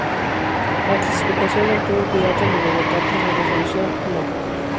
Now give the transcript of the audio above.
La clasificación la obtuvo Piratas de Bogotá tras la resolución No.